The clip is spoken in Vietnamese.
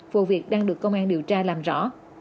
vụ việc đang được công an điều tra làm rõ